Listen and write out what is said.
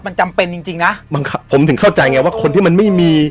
มันจำเป็นจริงจริงนะบังคับผมถึงเข้าใจไงว่าคนที่มันไม่มี